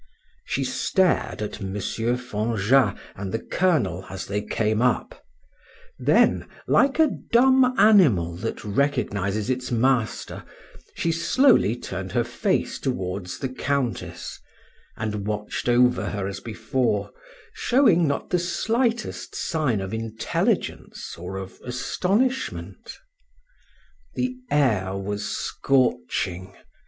She stared at M. Fanjat and the colonel as they came up; then, like a dumb animal that recognizes its master, she slowly turned her face towards the countess, and watched over her as before, showing not the slightest sign of intelligence or of astonishment. The air was scorching.